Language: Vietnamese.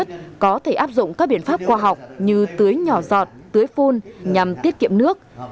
với sản xuất có thể áp dụng các biện pháp khoa học như tưới nhỏ giọt tưới phun nhằm tiết kiệm nước